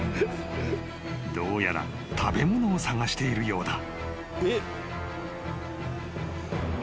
［どうやら食べ物を探しているようだ］